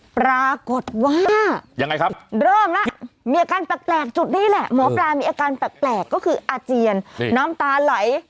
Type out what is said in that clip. ปรากฏว่ายังไงครับเริ่มแล้วมีอาการแปลกจุดนี้แหละหมอปลามีอาการแปลกก็คืออาเจียนน้ำตาไหล